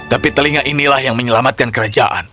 tetapi telinga ini yang menyelamatkan kerajaan